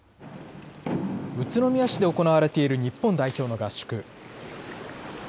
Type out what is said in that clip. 宇都宮市で行われている日本代表の合宿。